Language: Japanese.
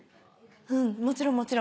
うんもちろんもちろん。